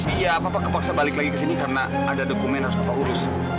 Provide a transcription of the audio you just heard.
iya bapak kepaksa balik lagi ke sini karena ada dokumen yang harus bapak urus